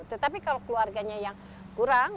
tetapi kalau keluarganya yang kurang